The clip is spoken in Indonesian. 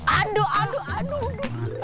aduh aduh aduh